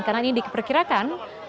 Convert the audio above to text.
karena ini diperkirakan